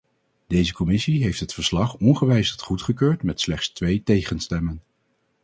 Deze commissie heeft het verslag ongewijzigd goedgekeurd met slechts twee tegenstemmen.